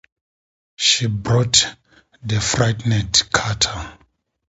She brought the frightened carter.